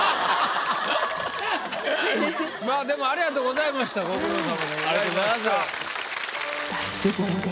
でもありがとうございましたご苦労さまでございました。